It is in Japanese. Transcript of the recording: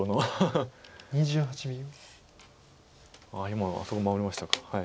今あそこ守りましたか。